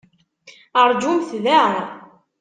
Rǧumt da!